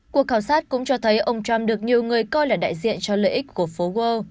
cuộc khảo sát cũng cho thấy ông trump được nhiều người coi là đại diện cho lợi ích của phố